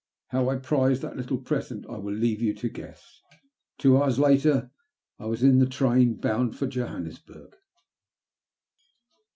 How I prized that little present I will leave you to guess. Two hours later I was in the train bound for Johannesburg.